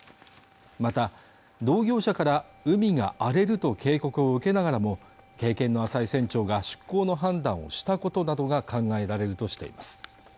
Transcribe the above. また同業者から海が荒れると警告を受けながらも経験の浅い船長が出航の判断をしたことなどが考えられるとしています